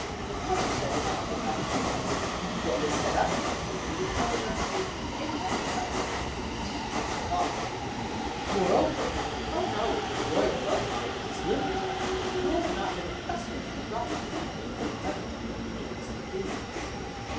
At first I did not think I could. What was set up of the story was not enough to give me any insight into the solution of the plot. Moreover, my knowl edge of royal love affairs is limited, and I have not been accustomed to write with flippant levity of kings and queens.